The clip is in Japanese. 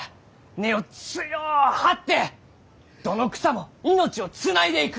根を強う張ってどの草も命をつないでいく！